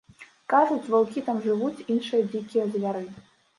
Кажуць, ваўкі там жывуць, іншыя дзікія звяры.